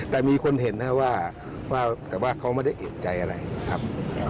แต่มีคนเห็นนะครับว่าแต่ว่าเขาไม่ได้เอกใจอะไรครับ